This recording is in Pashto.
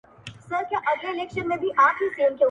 نن شپه به دودوو ځان، د شینکي بنګ وه پېغور ته؟